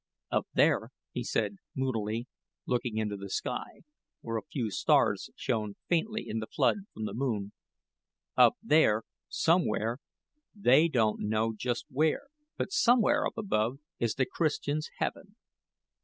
"Up there," he said, moodily, looking into the sky, where a few stars shone faintly in the flood from the moon; "Up there somewhere they don't know just where but somewhere up above, is the Christians' Heaven.